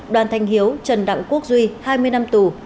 đoàn thanh hiếu trần đặng quốc duy hai mươi năm tù